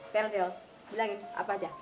pergel bilangin apa aja